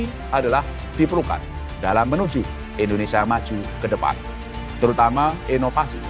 ini adalah diperlukan dalam menuju indonesia maju ke depan terutama inovasi